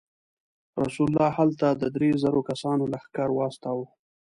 رسول الله هلته د درې زرو کسانو لښکر واستاوه.